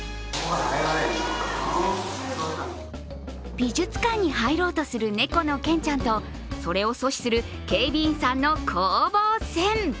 美術館に入ろうとする猫のケンちゃんとそれを阻止する警備員さんの攻防戦。